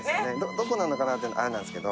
どこなのかはあれなんですけど。